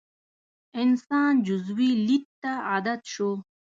انسان جزوي لید ته عادت شو.